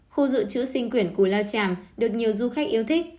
khu dự trữ sinh quyển củ lao tràm được nhiều du khách yêu thích